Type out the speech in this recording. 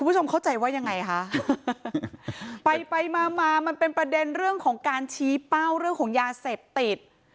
คุณผู้ชมเข้าใจว่ายังไงคะไปไปมามามันเป็นประเด็นเรื่องของการชี้เป้าเรื่องของยาเสพติด